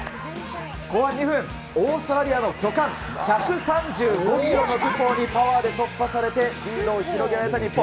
後半２分、オーストラリアの巨漢、１３５キロのトゥポウにパワーで突破されて、リードを広げられた日本。